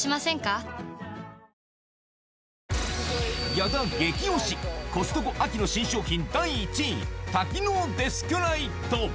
矢田激推し、コストコ秋の新商品第１位、多機能デスクライト。